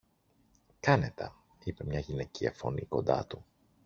Κάνε τα, είπε μια γυναικεία φωνή κοντά του.